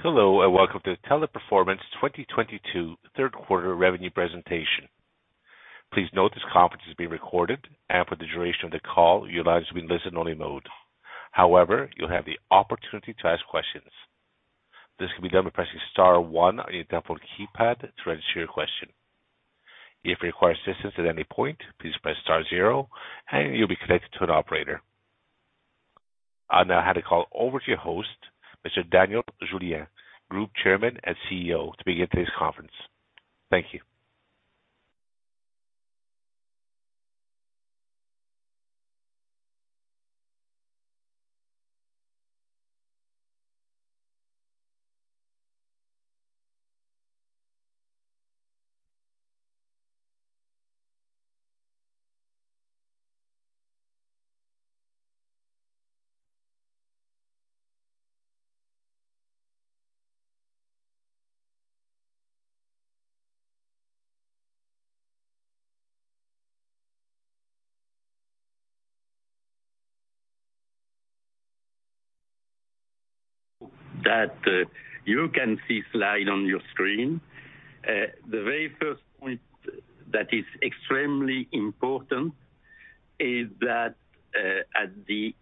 Hello, and welcome to Teleperformance 2022 third quarter revenue presentation. Please note this conference is being recorded and for the duration of the call your line is to be in listen-only mode. However, you'll have the opportunity to ask questions. This can be done by pressing star one on your telephone keypad to register your question. If you require assistance at any point, please press star zero and you'll be connected to an operator. I'll now hand the call over to your host, Mr. Daniel Julien, Group Chairman and CEO, to begin today's conference. Thank you. As you can see on the slide on your screen. The very first point that is extremely important is that, at the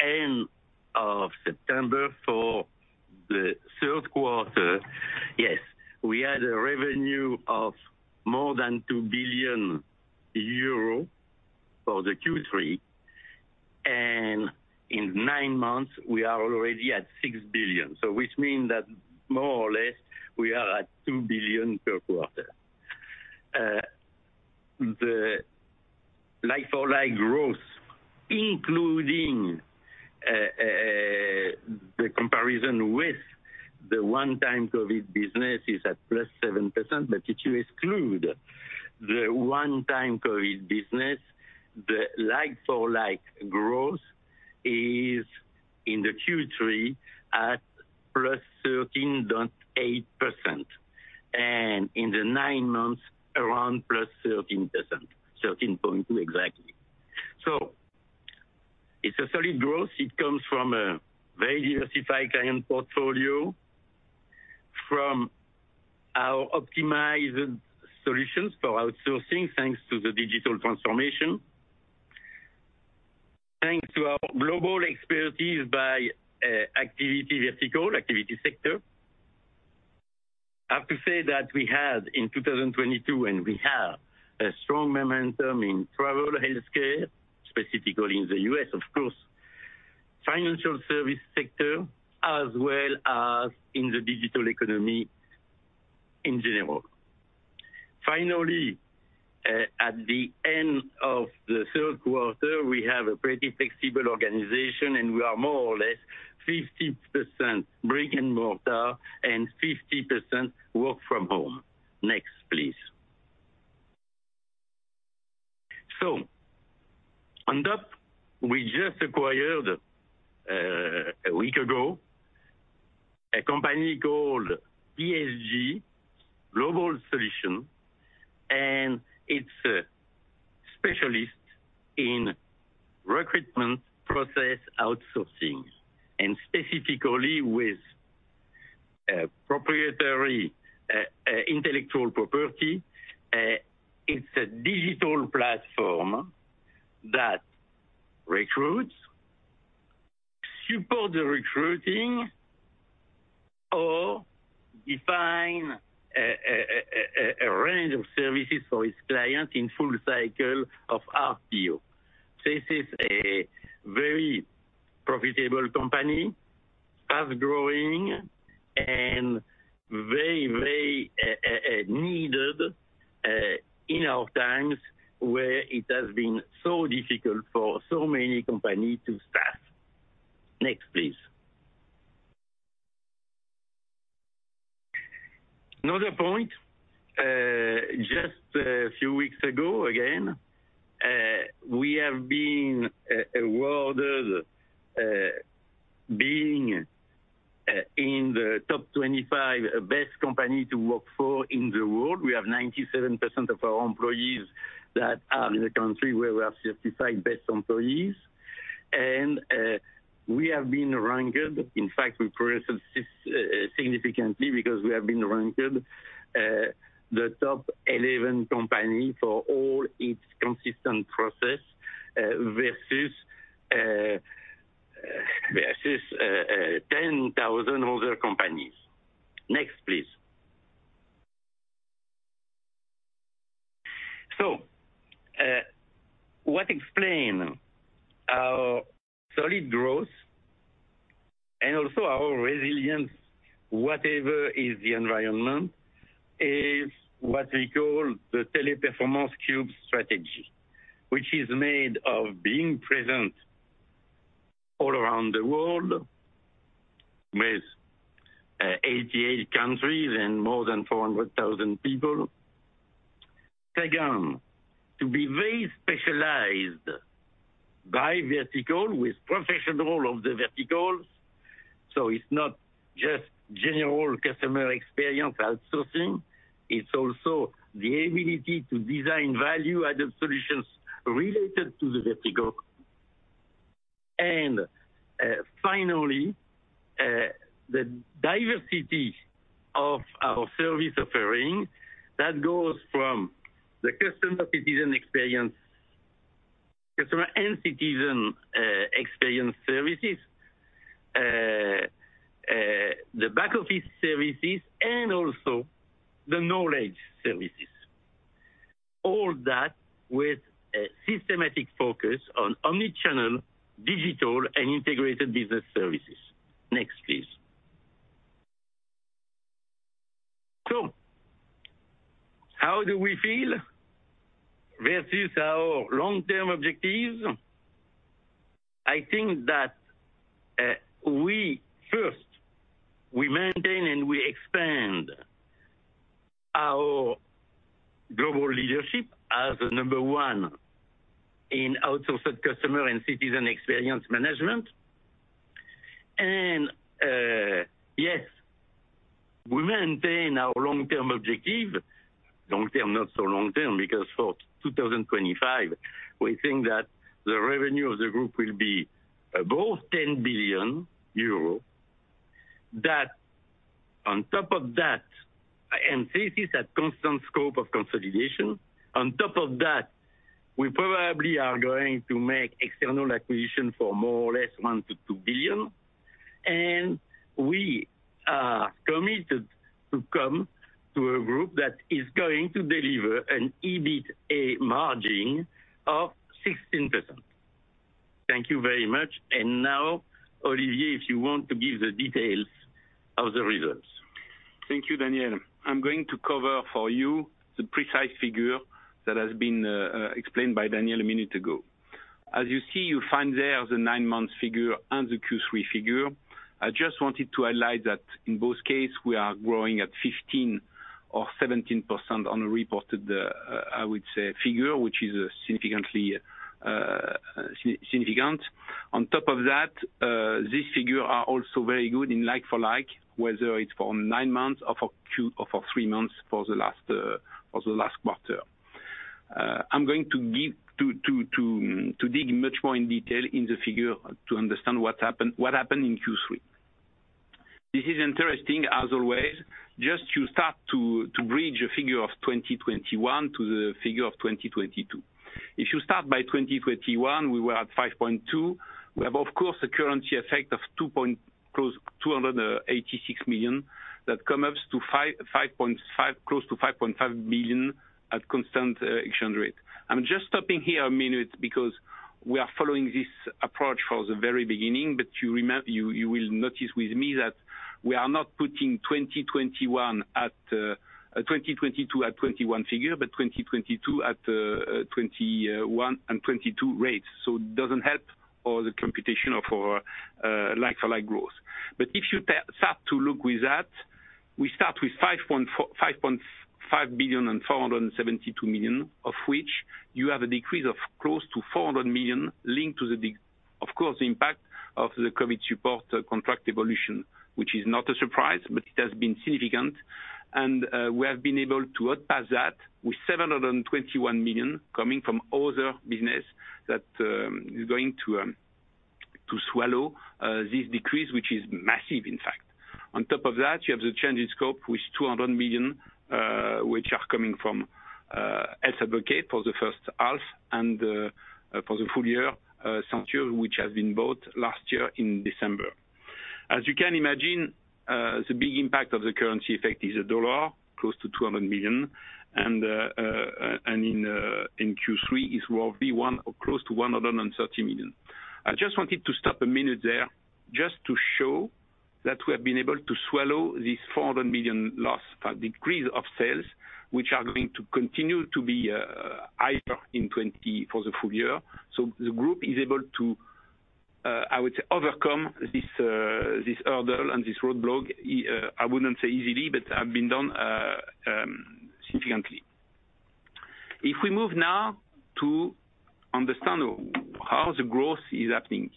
end of September for the third quarter, yes, we had a revenue of more than 2 billion euro for the Q3, and in nine months we are already at 6 billion. Which mean that more or less we are at 2 billion per quarter. The like-for-like growth, including the comparison with the one-time COVID business is at +7%. If you exclude the one-time COVID business, the like-for-like growth is in the Q3 at +13.8%, and in the nine months around +13%, 13.2% exactly. It's a solid growth. It comes from a very diversified client portfolio, from our optimized solutions for outsourcing, thanks to the digital transformation. Thanks to our global expertise by activity vertical, activity sector. I have to say that we had in 2022, and we have a strong momentum in travel, healthcare, specifically in the U.S. of course, financial service sector, as well as in the digital economy in general. Finally, at the end of the third quarter, we have a pretty flexible organization, and we are more or less 50% brick-and-mortar and 50% work from home. Next, please. On top, we just acquired a week ago a company called PSG Global Solutions, and it's a specialist in recruitment process outsourcing and specifically with proprietary intellectual property. It's a digital platform that supports the recruiting or defines a range of services for its client in full cycle of RPO. This is a very profitable company, fast-growing and very, very, needed, in our times where it has been so difficult for so many companies to staff. Next, please. Another point, just a few weeks ago, again, we have been awarded, being, in the top 25 best company to work for in the world. We have 97% of our employees that are in the country where we have certified best employees. We have been ranked. In fact, we progressed significantly because we have been ranked, the top 11 company for all its consistent process, versus, 10,000 other companies. Next, please. What explain our solid growth and also our resilience, whatever is the environment, is what we call the TP Cube strategy. Which is made of being present all around the world with 88 countries and more than 400,000 people. Second, to be very specialized by vertical with professional of the verticals. It's not just general customer experience outsourcing, it's also the ability to design value-added solutions related to the vertical. Finally, the diversity of our service offering that goes from the customer and citizen experience services, the back-office services and also the knowledge services. All that with a systematic focus on omnichannel digital and integrated business services. Next, please. How do we feel versus our long-term objectives? I think that we first maintain and we expand our global leadership as number one in outsourced customer and citizen experience management. Yes, we maintain our long-term objective. Long-term, not so long-term, because for 2025 we think that the revenue of the group will be above 10 billion euro. That on top of that, and this is a constant scope of consolidation. On top of that, we probably are going to make external acquisition for more or less 1 billion-2 billion. We are committed to come to a group that is going to deliver an EBITA margin of 16%. Thank you very much. Now, Olivier, if you want to give the details of the results. Thank you, Daniel. I'm going to cover for you the precise figure that has been explained by Daniel a minute ago. As you see, you find there the nine-month figure and the Q3 figure. I just wanted to highlight that in both cases, we are growing at 15% or 17% on a reported figure, I would say, which is significantly significant. On top of that, these figures are also very good in like-for-like, whether it's for nine months or for Q2 or for Q3 months for the last quarter. I'm going to dig much more in detail in the figure to understand what happened in Q3. This is interesting as always, just as you start to bridge a figure of 2021 to the figure of 2022. If you start by 2021, we were at 5.2 billion. We have of course a currency effect of close to 286 million that comes up to 5.5 billion, close to 5.5 billion at constant exchange rate. I'm just stopping here a minute because we are following this approach from the very beginning. You will notice with me that we are not putting 2021 at, 2022 at 2021 figure, but 2022 at, 2021 and 2022 rates. It doesn't help all the computation of our like-for-like growth. If you start to look with that, we start with 5.5 billion and 472 million, of which you have a decrease of close to 400 million linked to the de. Of course, the impact of the COVID support contract evolution, which is not a surprise, but it has been significant. We have been able to surpass that with 721 million coming from other business that is going to swallow this decrease, which is massive in fact. On top of that, you have the change in scope with 200 million, which are coming from [inaudible] for the first half and, for the full year, Accenture, which has been bought last year in December. As you can imagine, the big impact of the currency effect is the dollar, close to $200 million. In Q3 is roughly 100 or close to 130 million. I just wanted to stop a minute there just to show that we have been able to swallow this 400 million loss, decrease of sales, which are going to continue to be higher in 2024 for the full year. The group is able to, I would say overcome this hurdle and this roadblock, I wouldn't say easily, but have been done, significantly. If we move now to understand how the growth is happening.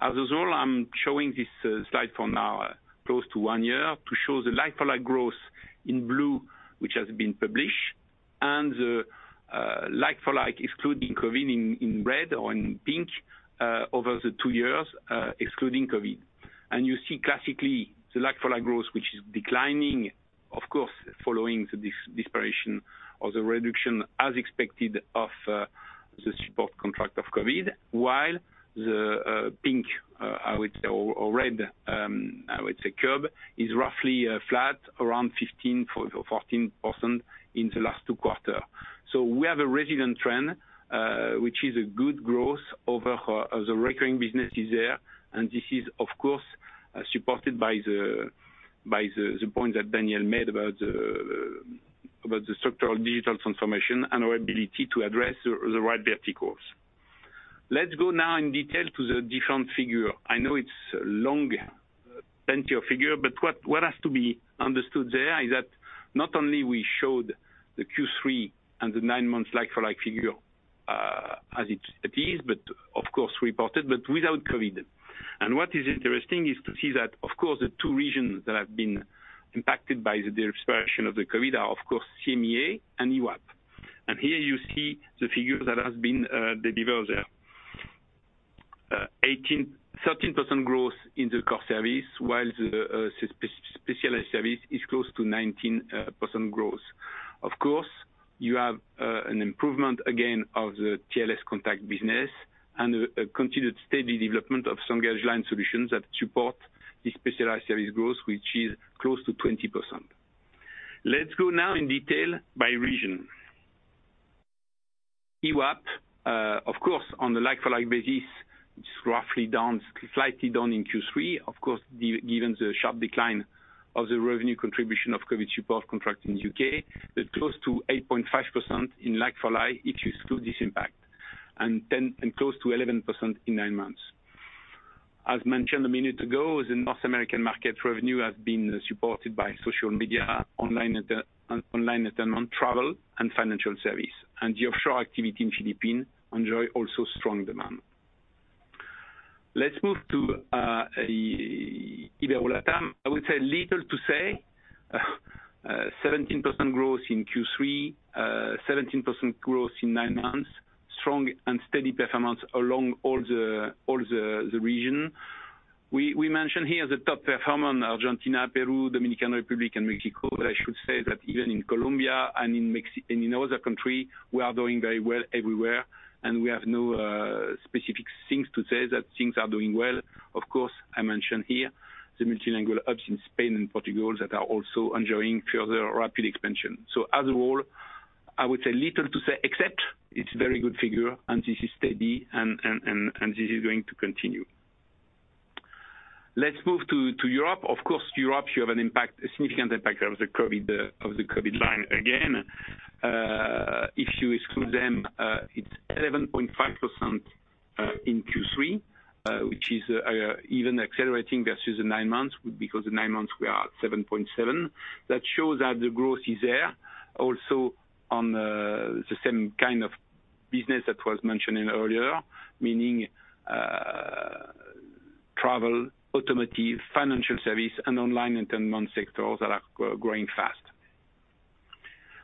As a result, I'm showing this slide for now close to one year to show the like-for-like growth in blue, which has been published, and the, like-for-like excluding COVID in red or in pink, over the two years, excluding COVID. You see classically the like-for-like growth, which is declining, of course, following the disappearance or the reduction as expected of the support contract of COVID. While the pink, I would say, or red, I would say curve is roughly flat around 15% or 14% in the last two quarters. We have a resilient trend, which is a good growth over the recurring business is there. This is of course supported by the point that Daniel made about the structural digital transformation and our ability to address the right verticals. Let's go now in detail to the different figure. I know it's long plenty of figures, but what has to be understood there is that not only we showed the Q3 and the nine months like-for-like figures, as it is, but of course reported, but without COVID. What is interesting is to see that of course the two regions that have been impacted by the disruption of the COVID are of course EMEA and EWAP. Here you see the figures that have been delivered there. Thirteen percent growth in the Core Services, while the Specialized Services is close to 19% growth. Of course, you have an improvement again of the TLScontact business and a continued steady development of LanguageLine Solutions that support the Specialized Services growth, which is close to 20%. Let's go now in detail by region. EWAP, of course, on the like-for-like basis, it's roughly down, slightly down in Q3. Of course, given the sharp decline of the revenue contribution of COVID support contract in UK, but close to 8.5% in like-for-like if you exclude this impact, and close to 11% in nine months. As mentioned a minute ago, the North American market revenue has been supported by social media, online entertainment, travel and financial service. The offshore activity in Philippines also enjoys strong demand. Let's move to IberoLatam. I would say little to say. 17% growth in Q3, 17% growth in nine months. Strong and steady performance along the region. We mentioned here the top performer, Argentina, Peru, Dominican Republic and Mexico. I should say that even in Colombia and in Mexico and in other countries, we are doing very well everywhere, and we have no specific things to say that things are doing well. Of course, I mention here the Multilingual hubs in Spain and Portugal that are also enjoying further rapid expansion. As a whole, I would say little to say, except it's very good figure and this is steady and this is going to continue. Let's move to Europe. Of course, Europe, you have an impact, a significant impact of the COVID, of the COVID line again. If you exclude them, it's 11.5% in Q3, which is even accelerating versus the nine months, because the nine months we are at 7.7%. That shows that the growth is there. The same kind of business that was mentioned earlier, meaning travel, automotive, financial services and online entertainment sectors that are growing fast.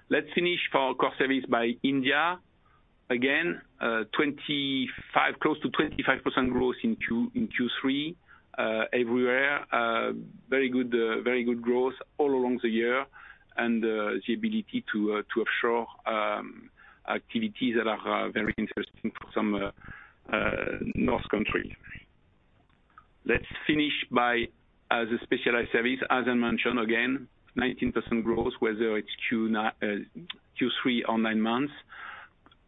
Let's finish for Core Services in India. Again, close to 25% growth in Q3. Everywhere, very good growth all along the year and the ability to offshore activities that are very interesting for some northern countries. Let's finish by the Specialized Services. As I mentioned, again, 19% growth, whether it's Q3 or nine months.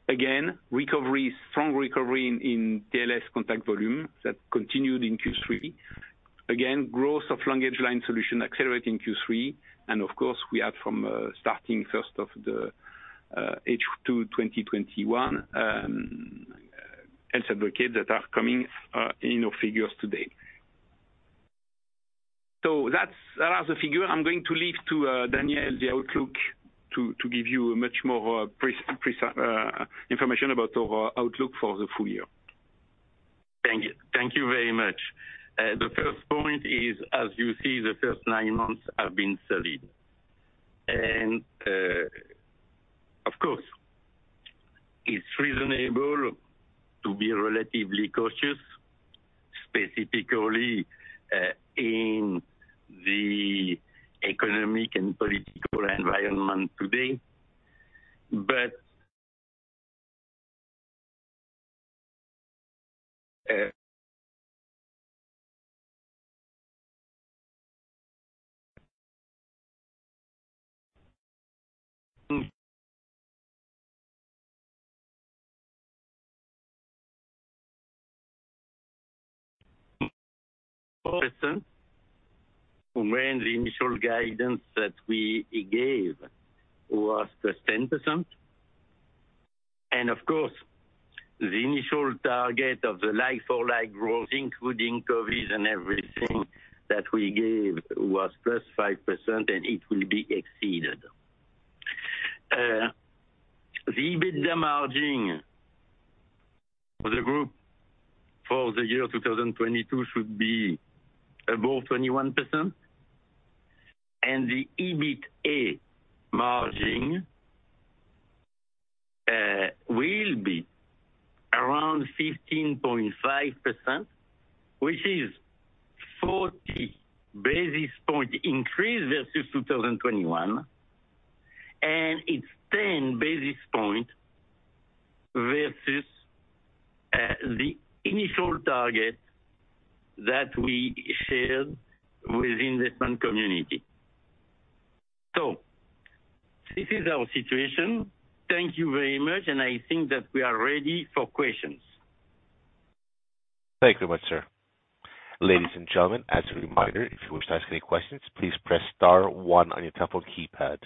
Again, strong recovery in TLScontact volume that continued in Q3. Again, growth of LanguageLine Solutions accelerate in Q3. Of course, we had from starting first of the H2 to 2021, Health Advocate that are coming in our figures today. Those are the figures. I'm going to leave the outlook to Daniel Julien to give you much more precise information about our outlook for the full year. Thank you. Thank you very much. The first point is, as you see, the first nine months have been solid. Of course, it's reasonable to be relatively cautious, specifically, in the economic and political environment today. When the initial guidance that we gave was +10%. Of course, the initial target of the like-for-like growth, including COVID and everything that we gave was +5%, and it will be exceeded. The EBITDA margin for the group for the year 2022 should be above 21%, and the EBITA margin will be around 15.5%, which is 40 basis point increase versus 2021, and it's 10 basis point versus the initial target that we shared within the investment community. This is our situation. Thank you very much, and I think that we are ready for questions. Thank you very much, sir. Ladies and gentlemen, as a reminder, if you wish to ask any questions, please press star one on your telephone keypad.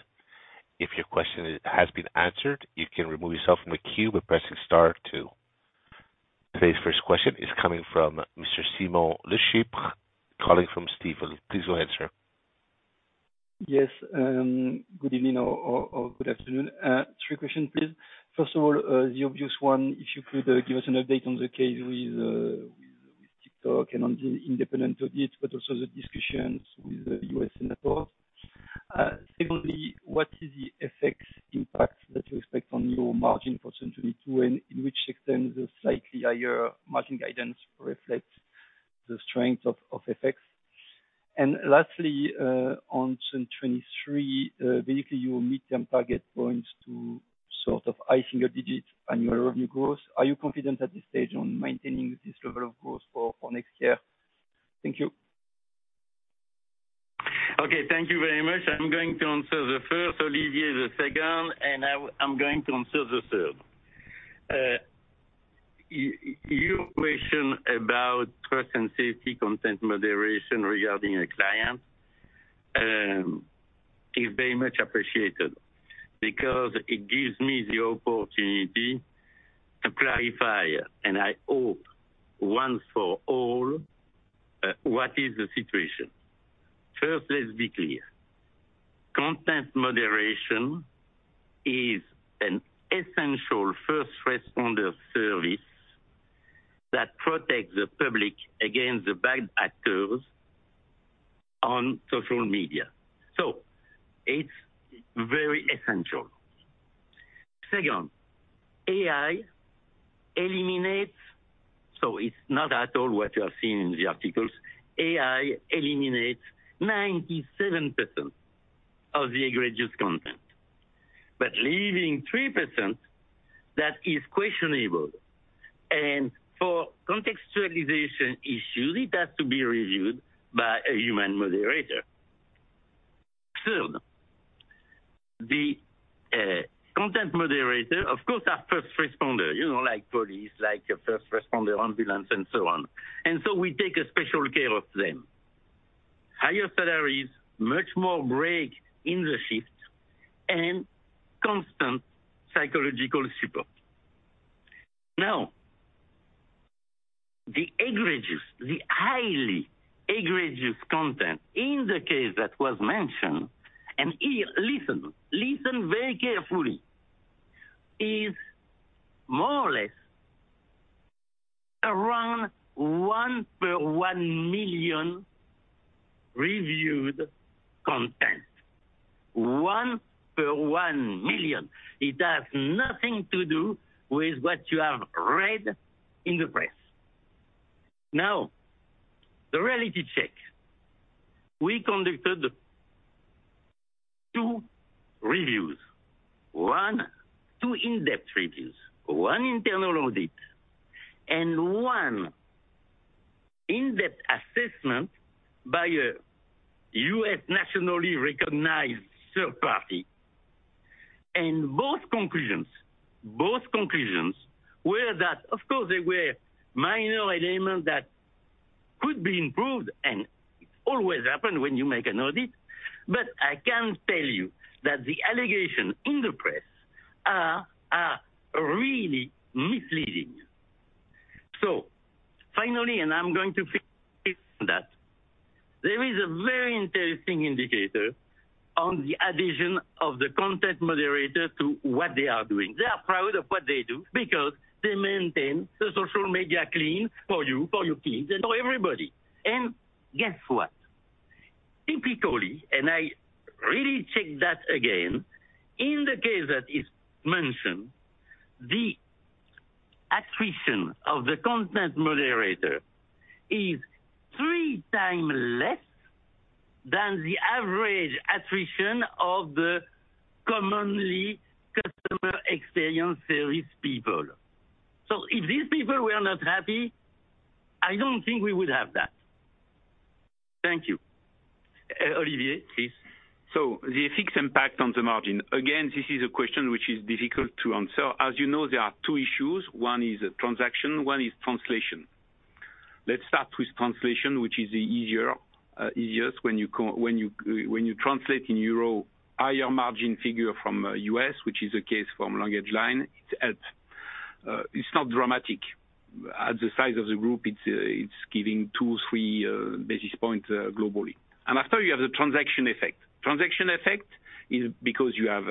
If your question has been answered, you can remove yourself from the queue by pressing star two. Today's first question is coming from Mr. Simon Fletcher calling from Stifel. Please go ahead, sir. Yes, good evening or good afternoon. Three questions, please. First of all, the obvious one, if you could give us an update on the case with TikTok and on the independent audit, but also the discussions with moderator. Third, the content moderators of course are first responder, you know, like police, like a first responder ambulance and so on. We take a special care of them. Higher salaries, much more break in the shifts, and constant psychological support. Now, the egregious, the highly egregious content in the case that was mentioned, and here listen very carefully, is more or less around one per 1 million reviewed content. One per 1 million. It has nothing to do with what you have read in the press. Now, the reality check. We conducted two reviews. One. Two in-depth reviews. One internal audit and one in-depth assessment by a U.S. nationally recognized third party. Both conclusions were that of course there were minor elements that could be improved, and always happen when you make an audit, but I can tell you that the allegations in the press are really misleading. Finally, and I'm going to finish on that, there is a very interesting indicator on the addition of the content moderators to what they are doing. They are proud of what they do because they maintain the social media clean for you, for your kids, and for everybody. Guess what? Typically, and I really check that again, in the case that is mentioned, the attrition of the content moderator is 3x less than the average attrition of the commonly customer experience service people. If these people were not happy, I don't think we would have that. Thank you. Olivier, please. The effects impact on the margin. Again, this is a question which is difficult to answer. As you know, there are two issues. One is transaction, one is translation. Let's start with translation, which is easier, easiest when you translate in euro higher margin figure from U.S., which is the case from LanguageLine Solutions, it helps. It's not dramatic. At the size of the group, it's giving two, three basis points globally. After you have the transaction effect. Transaction effect is because you have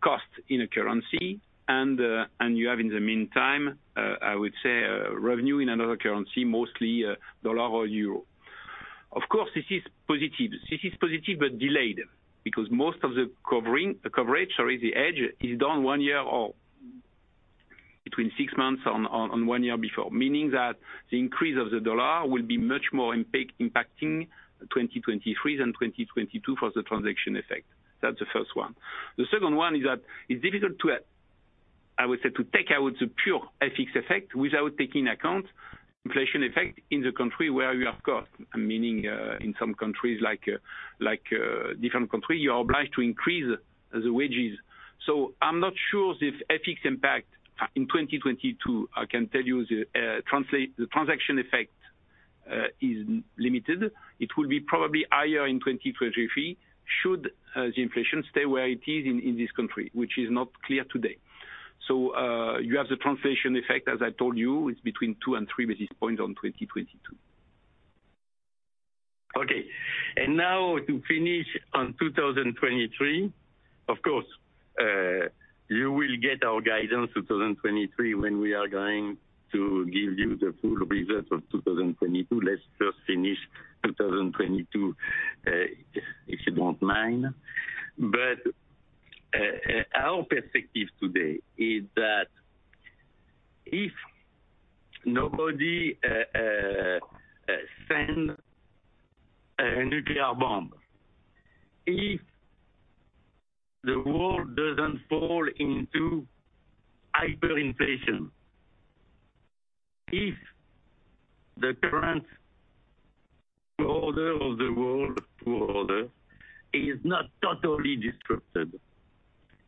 cost in a currency and you have in the meantime I would say revenue in another currency, mostly dollar or euro. Of course, this is positive. This is positive but delayed, because most of the hedging, the coverage, sorry, the hedge is done one year or between six months and one year before. Meaning that the increase of the US dollar will be much more impacting 2023 than 2022 for the transaction effect. That's the first one. The second one is that it's difficult to, I would say, to take out the pure FX effect without taking into account inflation effect in the country where you have cost. Meaning in some countries like different countries, you are obliged to increase the wages. I'm not sure of the FX impact in 2022. I can tell you the transaction effect is limited. It will be probably higher in 2023 should the inflation stay where it is in this country, which is not clear today. You have the translation effect, as I told you. It's between 2 and 2 basis points on 2022. Okay. Now to finish on 2023, of course, you will get our guidance 2023 when we are going to give you the full results of 2022. Let's just finish 2022, if you don't mind. Our perspective today is that if nobody send a nuclear bomb, if the world doesn't fall into hyperinflation, if the current world order is not totally disrupted,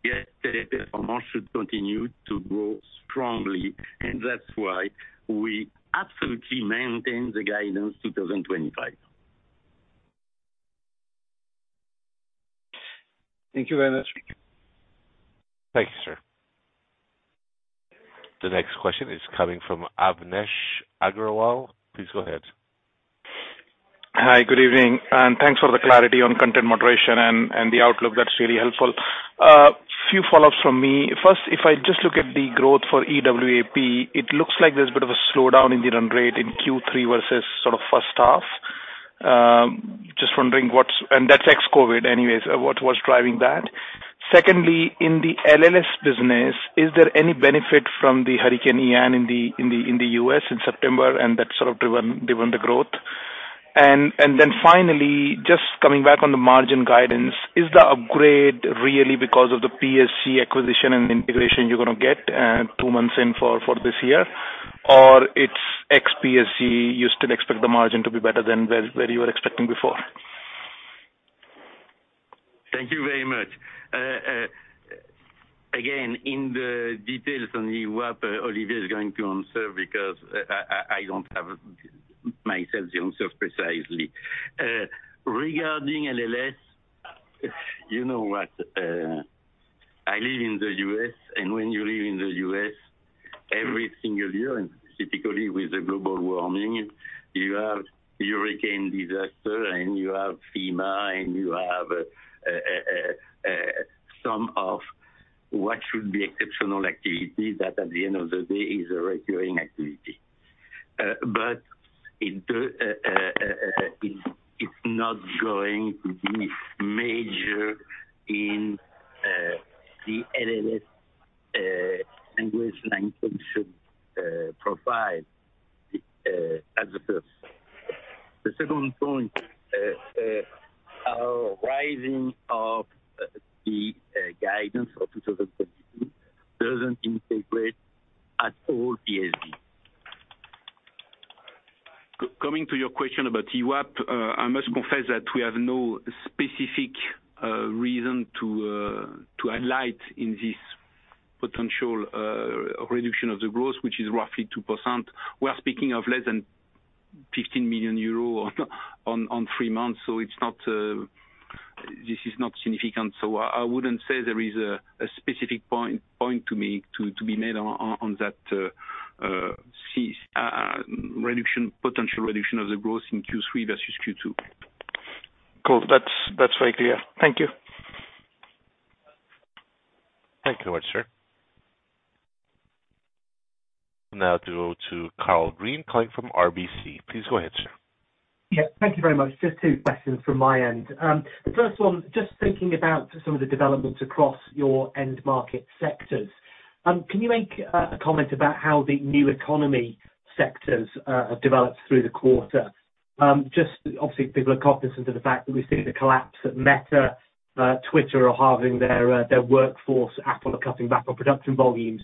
the performance should continue to grow strongly, and that's why we absolutely maintain the guidance 2025. Thank you very much. Thank you, sir. The next question is coming from Anvesh Agrawal. Please go ahead. Hi. Good evening, and thanks for the clarity on content moderation and the outlook. That's really helpful. Few follow-ups from me. First, if I just look at the growth for EWAP, it looks like there's a bit of a slowdown in the run rate in Q3 versus sort of first half. Just wondering what's driving that? That's ex COVID anyways, what was driving that? Secondly, in the LLS business, is there any benefit from the Hurricane Ian in the US in September and that sort of driven the growth? Then finally, just coming back on the margin guidance, is the upgrade really because of the PSG acquisition and integration you're gonna get two months in for this year? Or it's ex PSG, you still expect the margin to be better than where you were expecting before? Thank you very much. Again, in the details on the EWAP, Olivier is going to answer because I don't have myself the answer precisely. Regarding LLS, you know what? I live in the US, and when you live in the US every single year, and particularly with the global warming, you have hurricanes, disasters, and you have FEMA, and you have some of what should be exceptional activity that at the end of the day is a recurring activity. But it's not going to be major in the LLS English language solution profile as a first. The second point, our revising of the guidance for 2022 doesn't integrate at all PSG. Coming to your question about EWAP, I must confess that we have no specific reason to highlight in this potential reduction of the growth, which is roughly 2%. We are speaking of less than 15 million euro on three months, so it's not, this is not significant. I wouldn't say there is a specific point for me to be made on that potential reduction of the growth in Q3 versus Q2. Cool. That's very clear. Thank you. Thank you very much, sir. Now to go to Karl Green calling from RBC. Please go ahead, sir. Yeah. Thank you very much. Just two questions from my end. The first one, just thinking about some of the developments across your end market sectors. Can you make a comment about how the new economy sectors have developed through the quarter? Just obviously people are cognizant of the fact that we've seen the collapse at Meta. Twitter are halving their workforce. Apple are cutting back on production volumes.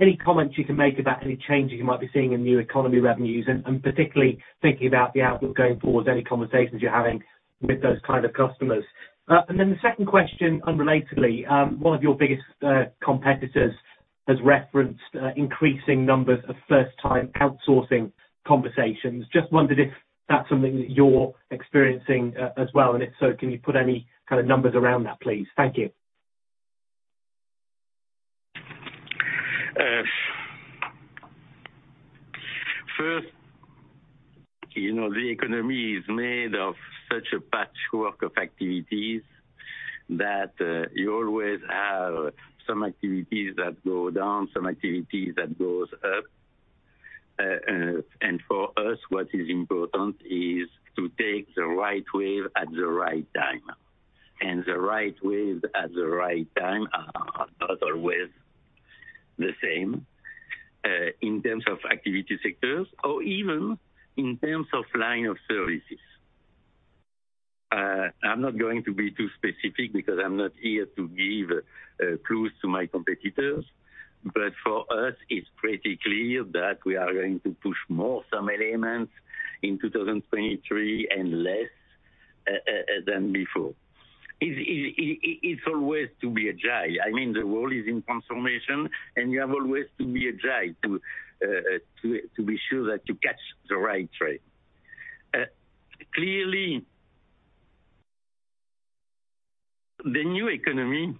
Any comments you can make about any changes you might be seeing in new economy revenues and particularly thinking about the outlook going forward, any conversations you're having with those kind of customers? The second question, unrelatedly, one of your biggest competitors has referenced increasing numbers of first time outsourcing conversations. Just wondered if that's something that you're experiencing as well. If so, can you put any kind of numbers around that, please? Thank you. First, you know, the economy is made of such a patchwork of activities that you always have some activities that go down, some activities that goes up. For us, what is important is to take the right wave at the right time. The right wave at the right time are not always the same in terms of activity sectors or even in terms of line of services. I'm not going to be too specific because I'm not here to give clues to my competitors. For us, it's pretty clear that we are going to push more some elements in 2023 and less than before. It's always to be agile. I mean, the world is in transformation, and you have always to be agile to be sure that you catch the right trade. Clearly, the new economy,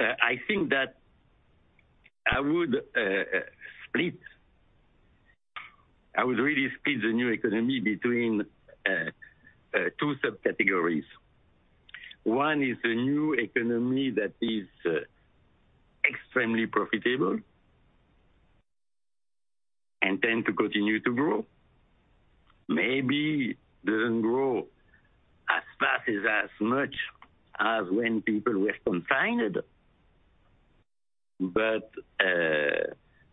I think that I would split. I would really split the new economy between two subcategories. One is the new economy that is extremely profitable and tend to continue to grow. Maybe doesn't grow as fast as much as when people were confined.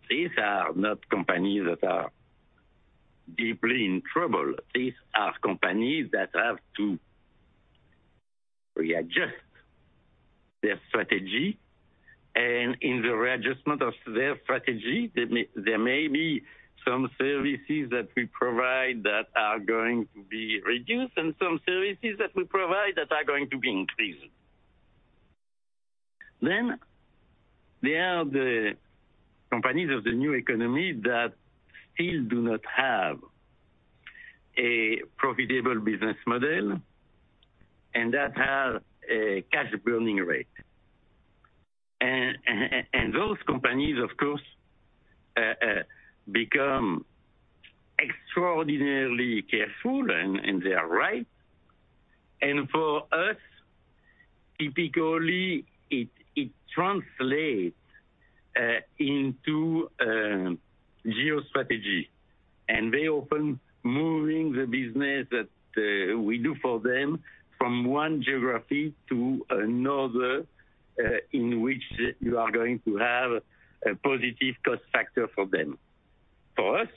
These are not companies that are deeply in trouble. These are companies that have to readjust their strategy. In the readjustment of their strategy, there may be some services that we provide that are going to be reduced and some services that we provide that are going to be increased. There are the companies of the new economy that still do not have a profitable business model and that have a cash burn rate. Those companies, of course, become extraordinarily careful, and they are right. For us, typically, it translates into geo-strategy. They are open to moving the business that we do for them from one geography to another in which you are going to have a positive cost factor for them. For us,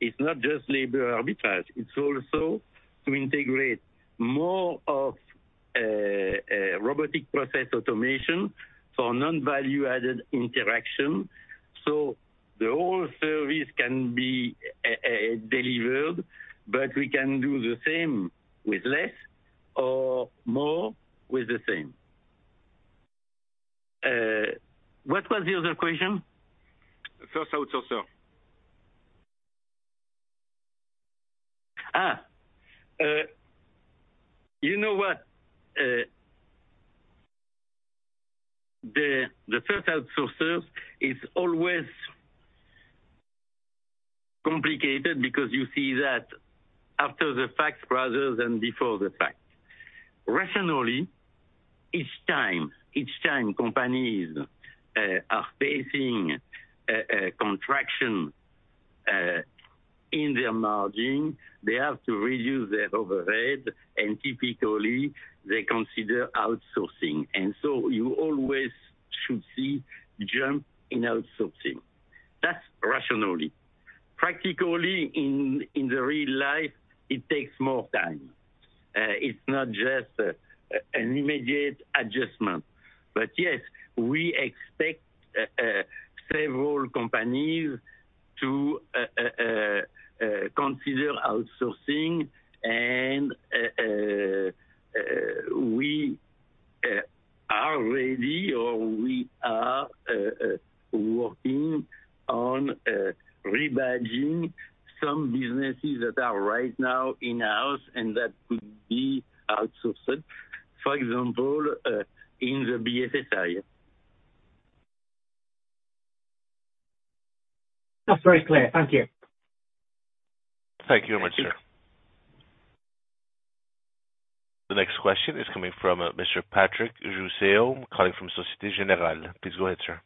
it's not just labor arbitrage, it's also to integrate more of a robotic process automation for non-value-added interaction. The whole service can be delivered, but we can do the same with less or more with the same. What was the other question? First outsourcer. You know what? The first outsourcers is always complicated because you see that after the fact rather than before the fact. Rationally, each time companies are facing a contraction in their margin, they have to reduce their overhead, and typically they consider outsourcing. You always should see jump in outsourcing. That's rationally. Practically, in the real life, it takes more time. It's not just an immediate adjustment. Yes, we expect several companies to consider outsourcing and we are ready or we are working on rebadging some businesses that are right now in-house and that could be outsourced, for example, in the BPS area. That's very clear. Thank you. Thank you very much, sir. The next question is coming from, Mr. Patrick Jousseaume, calling from Société Générale. Please go ahead, sir.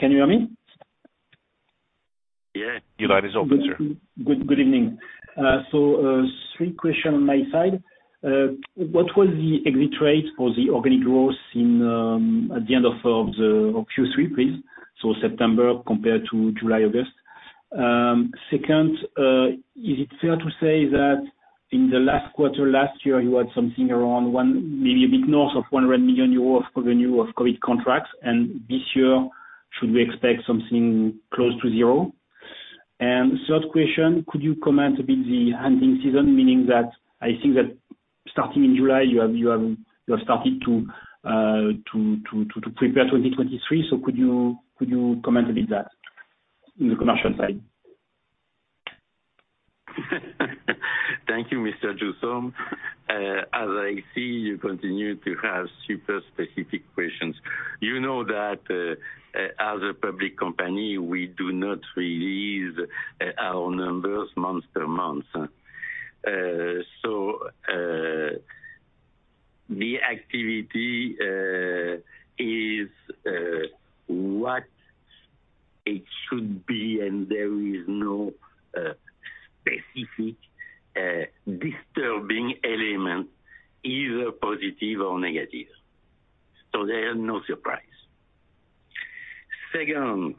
Can you hear me? Yeah, your line is open, sir. Good evening. Three questions on my side. What was the exit rate for the organic growth in at the end of Q3, please? September compared to July, August. Second, is it fair to say that in the last quarter last year, you had something around maybe a bit north of 100 million euros of revenue of COVID contracts, and this year, should we expect something close to zero? Third question, could you comment a bit on the hunting season, meaning that I think that starting in July, you started to prepare 2023. Could you comment a bit on that in the commercial side? Thank you, Mr. Jousseaume. As I see, you continue to have super specific questions. You know that, as a public company, we do not release our numbers month-to-month. The activity is what it should be, and there is no specific disturbing element, either positive or negative. There are no surprises. Second,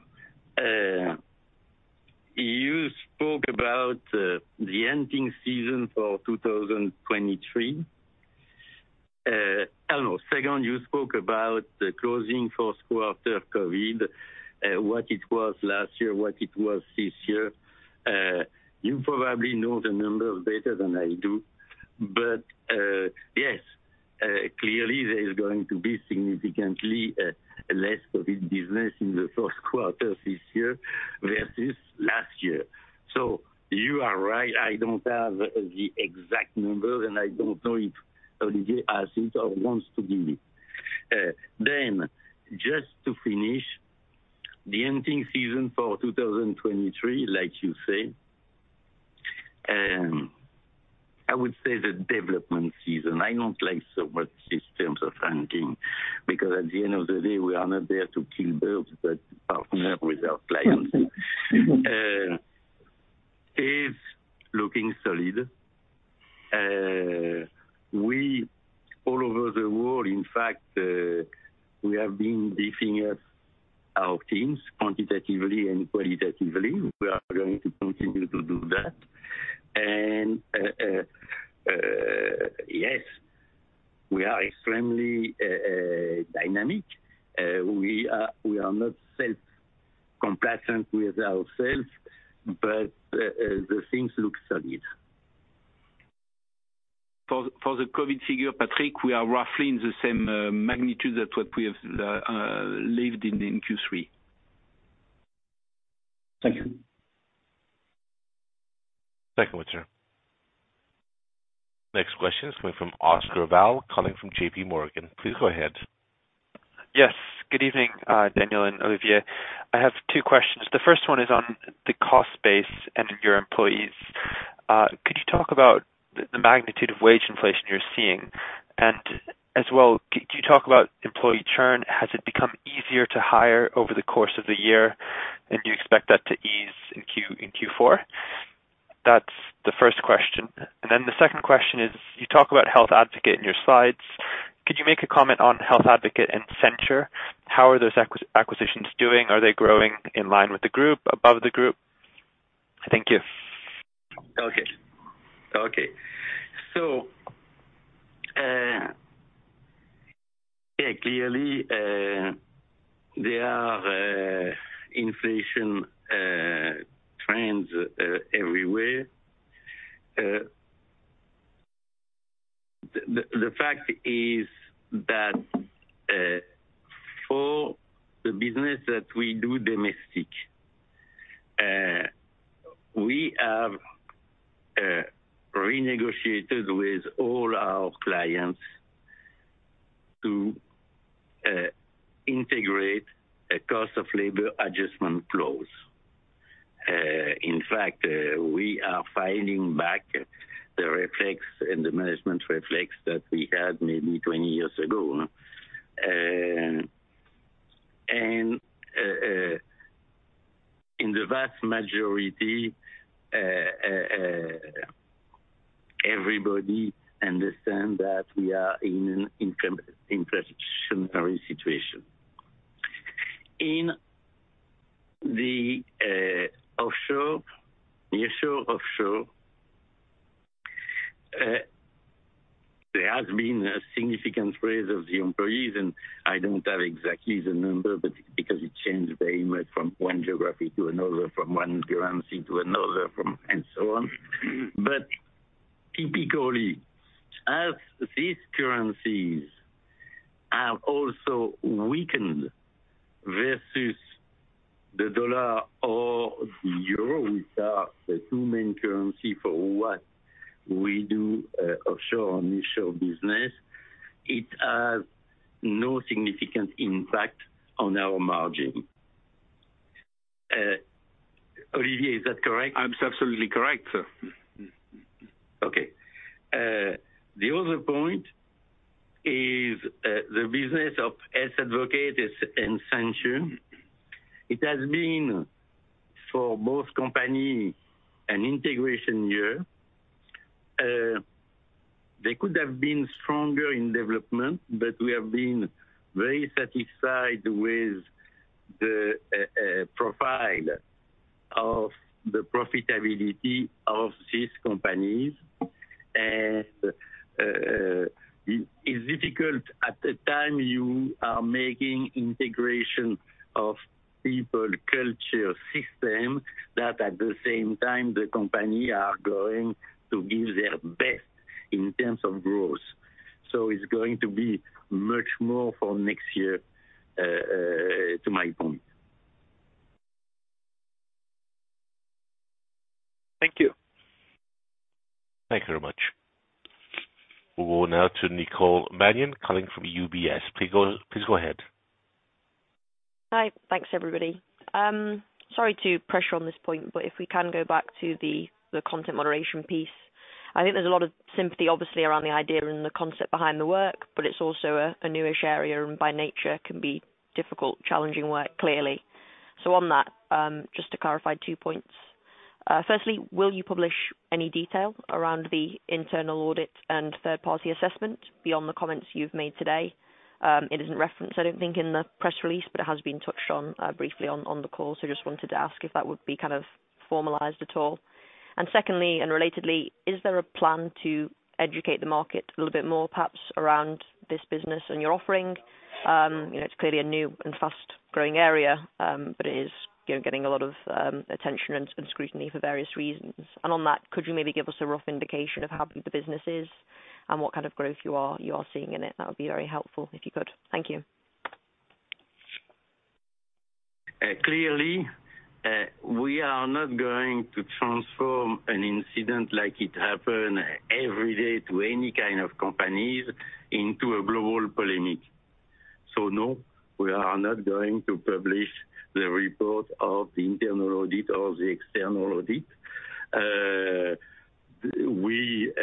you spoke about the hiring season for 2023. Second, you spoke about the closing fourth quarter of COVID, what it was last year, what it was this year. You probably know the numbers better than I do. Yes, clearly there is going to be significantly less COVID business in the fourth quarter this year versus last year. You are right. I don't have the exact numbers, and I don't know if Olivier has it or wants to give me. Just to finish, the ending season for 2023, like you say, I would say the development season. I don't like so much these terms of ranking, because at the end of the day, we are not there to kill birds, but partner with our clients. Is looking solid. We're all over the world, in fact, we have been beefing up our teams quantitatively and qualitatively. We are going to continue to do that. Yes, we are extremely dynamic. We are not self-complacent with ourselves, but the things look solid. For the COVID figure, Patrick, we are roughly in the same magnitude than what we have lived in Q3. Thank you. Thank you, sir. Next question is coming from Oscar Val, calling from JPMorgan. Please go ahead. Yes. Good evening, Daniel and Olivier. I have two questions. The first one is on the cost base and your employees. Could you talk about the magnitude of wage inflation you're seeing, and as well, could you talk about employee churn? Has it become easier to hire over the course of the year than you expect that to ease in Q4? That's the first question. Then the second question is, you talk about Health Advocate in your slides. Could you make a comment on Health Advocate and Accenture? How are those acquisitions doing? Are they growing in line with the group, above the group? Thank you. Yeah, clearly, there are inflation trends everywhere. The fact is that for the business that we do domestic, we have renegotiated with all our clients to integrate a cost of labor adjustment clause. In fact, we are finding back the reflex and the management reflex that we had maybe 20 years ago. In the vast majority, everybody understand that we are in an inflationary situation. In the offshore, nearshore, there has been a significant raise of the employees, and I don't have exactly the number, but because it changed very much from one geography to another, from one currency to another, and so on. Typically, as these currencies have also weakened versus the dollar or the euro, which are the two main currency for what we do, offshore in this shore business, it has no significant impact on our margin. Olivier, is that correct? It's absolutely correct, sir. Okay. The other point is, the business of Health Advocate and Accenture. It has been, for both company, an integration year. They could have been stronger in development, but we have been very satisfied with the profile of the profitability of these companies. It is difficult at the time you are making integration of people, culture, system, that at the same time the company are going to give their best in terms of growth. It's going to be much more for next year, to my point. Thank you. Thank you very much. We'll go now to Nicole Manion calling from UBS. Please go ahead. Hi. Thanks, everybody. Sorry to pressure on this point, but if we can go back to the content moderation piece, I think there's a lot of sympathy, obviously, around the idea and the concept behind the work, but it's also a new-ish area and by nature can be difficult, challenging work, clearly. So on that, just to clarify two points. Firstly, will you publish any detail around the internal audit and third-party assessment beyond the comments you've made today? It isn't referenced, I don't think, in the press release, but it has been touched on, briefly on the call. So just wanted to ask if that would be kind of formalized at all. Secondly, and relatedly, is there a plan to educate the market a little bit more, perhaps, around this business and your offering? You know, it's clearly a new and fast growing area, but it is, you know, getting a lot of attention and scrutiny for various reasons. On that, could you maybe give us a rough indication of how big the business is and what kind of growth you are seeing in it? That would be very helpful if you could. Thank you. Clearly, we are not going to transform an incident like it happened every day to any kind of companies into a global polemic. No, we are not going to publish the report of the internal audit or the external audit. We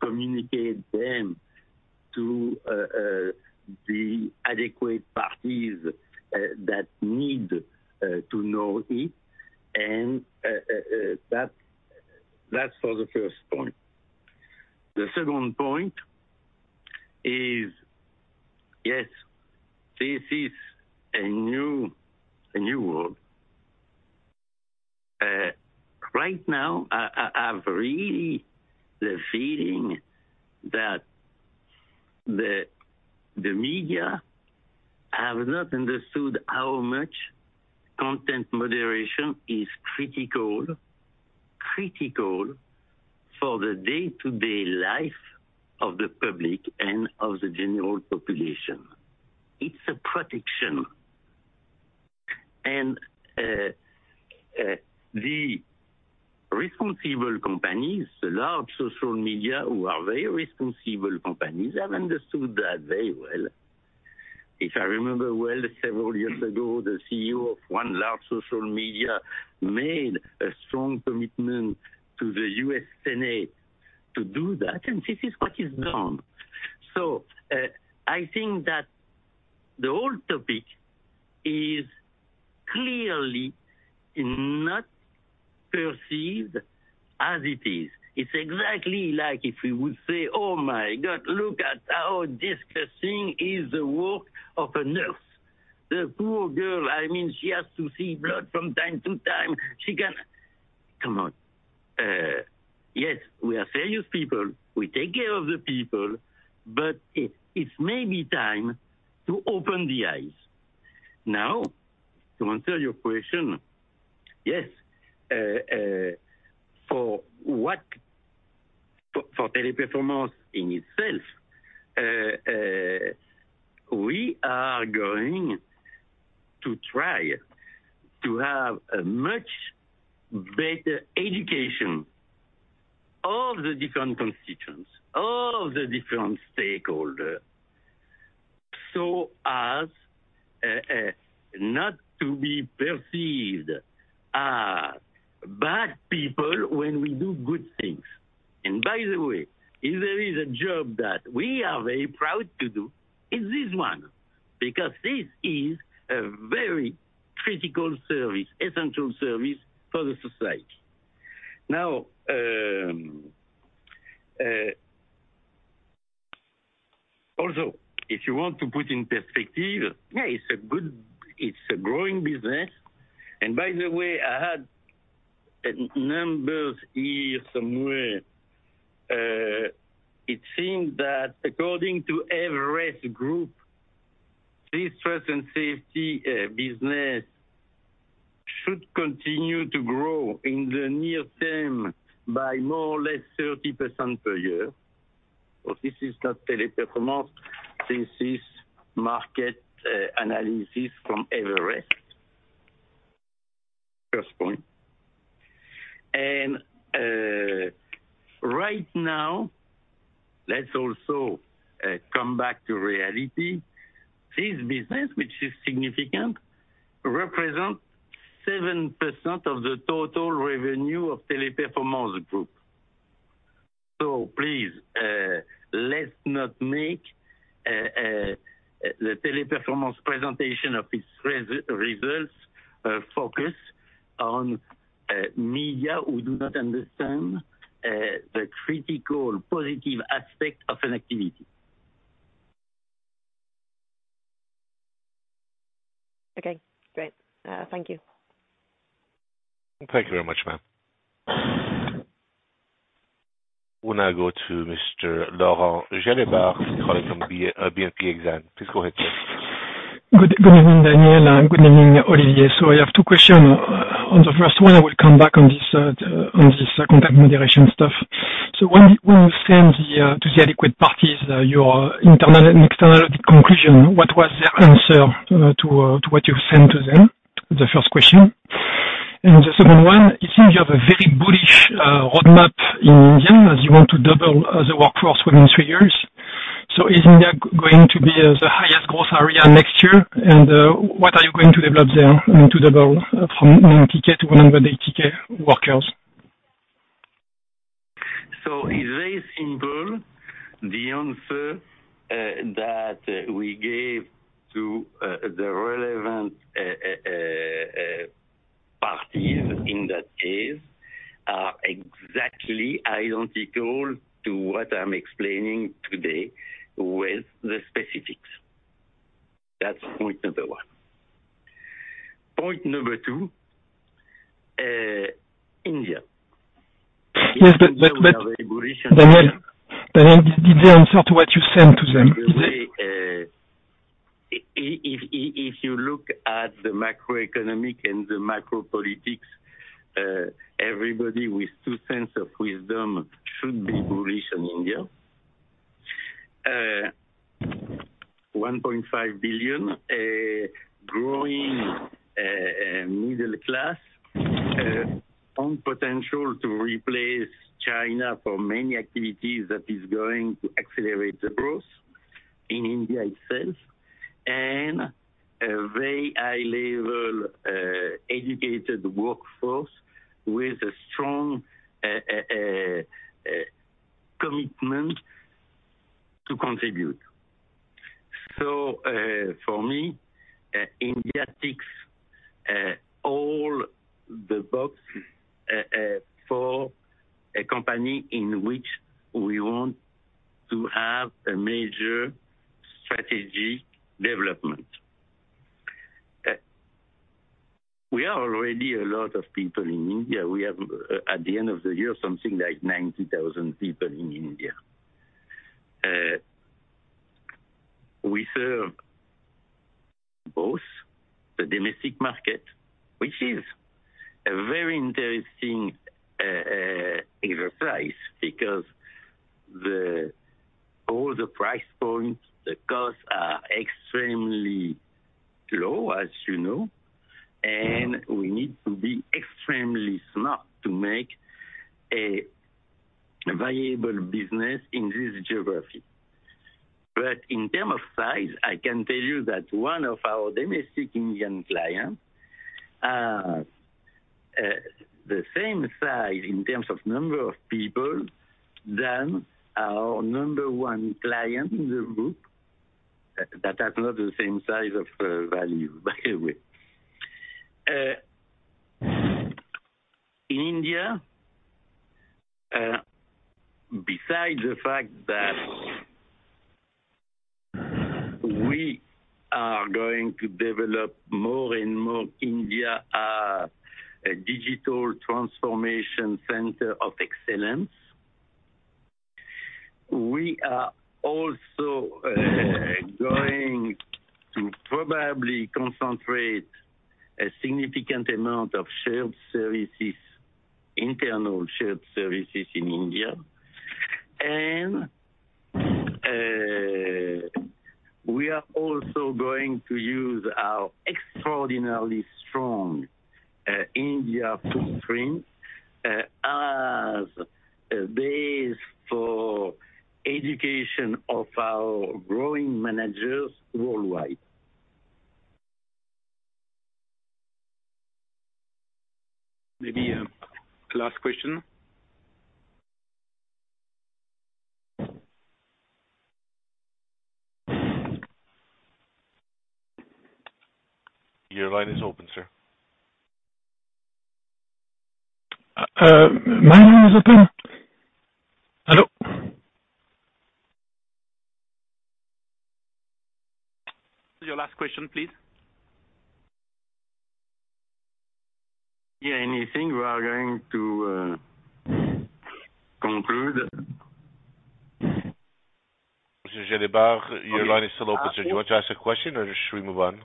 communicate them to the adequate parties that need to know it. That's for the first point. The second point is, yes, this is a new world. Right now I really have the feeling that the media have not understood how much content moderation is critical for the day-to-day life of the public and of the general population. It's a protection. The responsible companies, the large social media who are very responsible companies, have understood that very well. If I remember well, several years ago, the CEO of one large social media made a strong commitment to the U.S. Senate to do that, and this is what is done. I think that the whole topic is clearly not perceived as it is. It's exactly like if we would say, "Oh, my God, look at how disgusting is the work of a nurse. The poor girl, I mean, she has to see blood from time to time. She can." Come on. Yes, we are serious people. We take care of the people, but it may be time to open the eyes. Now, to answer your question. Yes. For Teleperformance in itself, we are going to try to have a much better education. All the different constituents, all the different stakeholders, so as not to be perceived as bad people when we do good things. By the way, if there is a job that we are very proud to do, it's this one, because this is a very critical service, essential service for the society. Now, also, if you want to put in perspective, it's a good. It's a growing business. By the way, I had numbers here somewhere. It seems that according to Everest Group, this trust and safety business should continue to grow in the near term by more or less 30% per year. This is not Teleperformance, this is market analysis from Everest. First point. Right now, let's also come back to reality. This business, which is significant, represents 7% of the total revenue of Teleperformance Group. Please, let's not make the Teleperformance presentation of its results focus on media who do not understand the critical positive aspect of an activity. Okay, great. Thank you. Thank you very much, ma'am. We'll now go to Mr. Laurent Gélébart from BNP Exane. Please go ahead, sir. Good evening, Daniel, and good evening, Olivier. I have two questions. On the first one, I will come back on this content moderation stuff. When you sent to the adequate parties your internal and external conclusion, what was their answer to what you sent to them? The first question. The second one, it seems you have a very bullish roadmap in India, as you want to double the workforce within three years. Is India going to be the highest growth area next year? What are you going to develop there to double from 90K to 180K workers? It's very simple. The answer that we gave to the relevant parties in that case are exactly identical to what I'm explaining today with the specifics. That's point number one. Point number two, India. Yes, but. We are very bullish on India. Daniel, did they answer to what you sent to them? By the way, if you look at the macroeconomic and the geopolitics, everybody with two cents of wisdom should be bullish on India. 1.5 billion, a growing middle class with the potential to replace China for many activities that is going to accelerate the growth in India itself and a very highly educated workforce with a strong commitment to contribute. For me, India ticks all the boxes for a company in which we want to have a major strategic development. We already have a lot of people in India. We have, at the end of the year, something like 90,000 people in India. We serve both the domestic market, which is a very interesting enterprise, because all the price points, the costs are extremely low, as you know, and we need to be extremely smart to make a viable business in this geography. In terms of size, I can tell you that one of our domestic Indian clients has the same size in terms of number of people than our number one client in the group. That has not the same size of value by the way. In India, besides the fact that we are going to develop more and more India digital transformation center of excellence, we are also going to probably concentrate a significant amount of shared services, internal shared services in India. We are also going to use our extraordinarily strong India footprint as a base for education of our growing managers worldwide. Maybe, last question. Your line is open, sir. My line is open. Hello? Your last question, please. Yeah. I think we are going to conclude. Mr. Gélébart, your line is still open, sir. Do you want to ask a question or should we move on?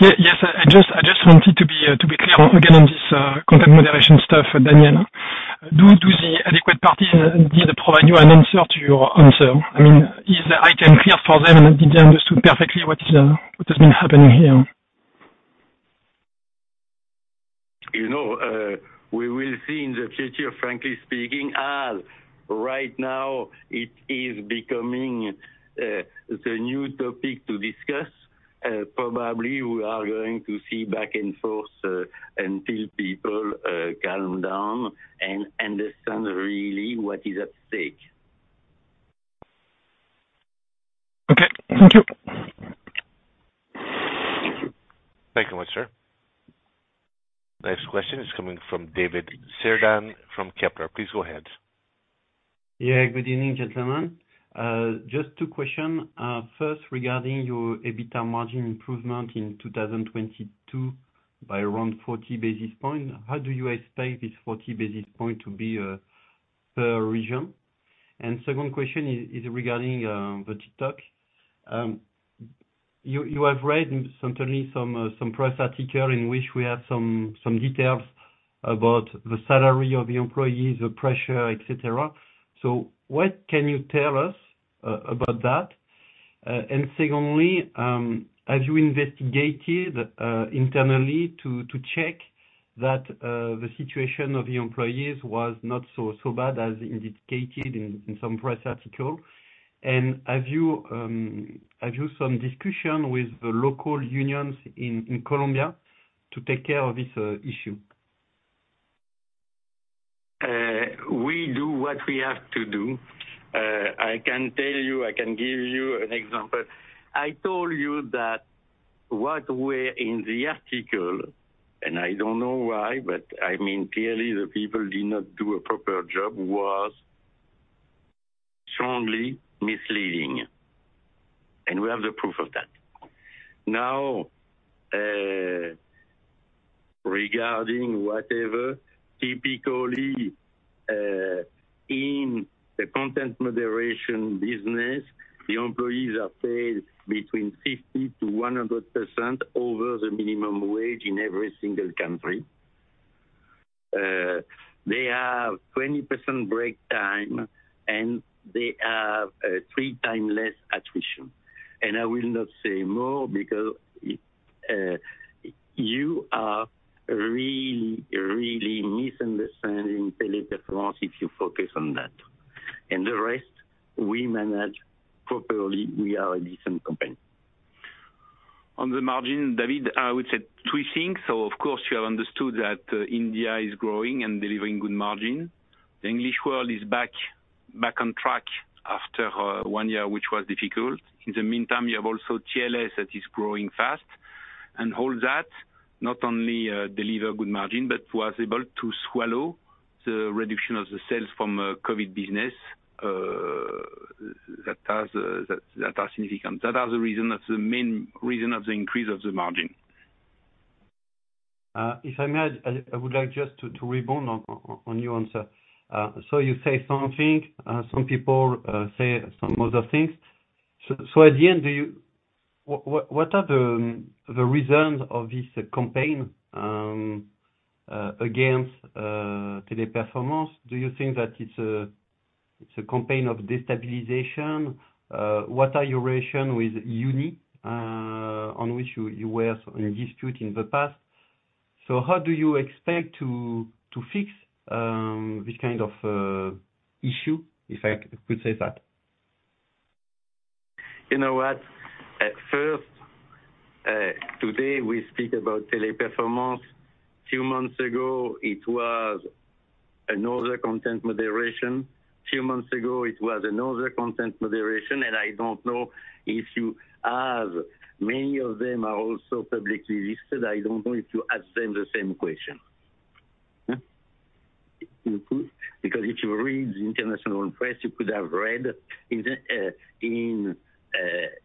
Yes. I just wanted to be clear again on this content moderation stuff, Daniel. Did the adequate parties provide you an answer to your answer? I mean, is the item clear for them, and did they understand perfectly what has been happening here? You know, we will see in the future, frankly speaking, as right now it is becoming the new topic to discuss. Probably we are going to see back and forth until people calm down and understand really what is at stake. Okay. Thank you. Thank you very much, sir. Next question is coming from David Cerdan from Kepler. Please go ahead. Yeah, good evening, gentlemen. Just two questions. First, regarding your EBITDA margin improvement in 2022 by around 40 basis points, how do you expect this 40 basis points to be per region? Second question is regarding the TikTok. You have read certainly some press article in which we have some details about the salary of the employees, the pressure, et cetera. What can you tell us about that? Secondly, have you investigated internally to check that the situation of the employees was not so bad as indicated in some press article? Have you some discussion with the local unions in Colombia to take care of this issue? We do what we have to do. I can tell you, I can give you an example. I told you that what was in the article, and I don't know why, but I mean, clearly the people did not do a proper job, was strongly misleading, and we have the proof of that. Now, regarding whatever, typically, in the content moderation business, the employees are paid between 50%-100% over the minimum wage in every single country. They have 20% break time, and they have 3x less attrition. I will not say more because you are really, really misunderstanding Teleperformance if you focus on that. The rest, we manage properly. We are a decent company. On the margin, David, I would say two things. Of course, you have understood that India is growing and delivering good margin. The English world is back on track after one year, which was difficult. In the meantime, you have also TLScontact that is growing fast. All that not only deliver good margin, but was able to swallow the reduction of the sales from COVID business that are significant. That is the reason. That's the main reason of the increase of the margin. If I may, I would like just to rebound on your answer. You say something, some people say some other things. At the end, what are the reasons of this campaign against Teleperformance? Do you think that it's a campaign of destabilization? What are your relations with UNI on which you were in a dispute in the past? How do you expect to fix this kind of issue, if I could say that? You know what? At first, today, we speak about Teleperformance. Few months ago, it was another content moderation. Many of them are also publicly listed. Because if you read the international press, you could have read in the U.S. newspaper or in British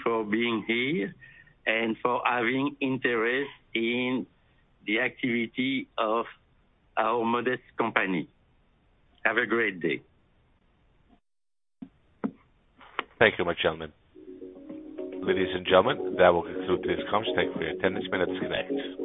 I just have to thank everybody for being here and for having interest in the activity of our modest company. Have a great day. Thank you, gentlemen. Ladies and gentlemen, that will conclude this conference. Thank you for your attendance, you may disconnect.